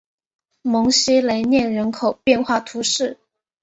蒙西雷涅人口变化图示